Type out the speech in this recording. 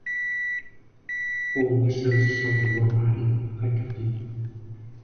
All but the southernmost are in Kentucky.